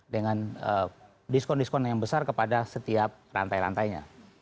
dengan diskon diskon yang besar kepada setiap rantai rantainya